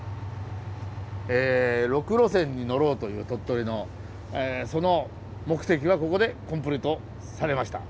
６路線に乗ろうという鳥取のその目的はここでコンプリートされました。